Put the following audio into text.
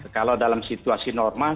kalau dalam situasi normal